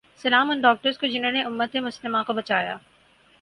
سلام ان ڈاکٹرز کو جہنوں نے امت مسلماں کو بچایا